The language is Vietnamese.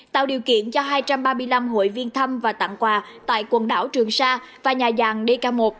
tạo điều kiện cho hai trăm ba mươi năm hội viên thăm và tặng quà tại quần đảo trường sa và nhà dàng dk một